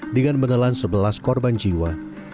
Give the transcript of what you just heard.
dengan menelan sebelas korban jiwa